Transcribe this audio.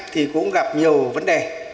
thì cũng gặp nhiều vấn đề